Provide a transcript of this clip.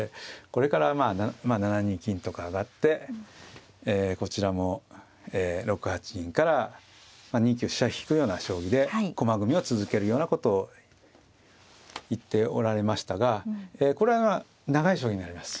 これから７二金とか上がってこちらも６八銀から２九飛車引くような将棋で駒組みを続けるようなことを言っておられましたがこれは長い将棋になります。